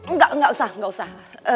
nggak nggak usah nggak usah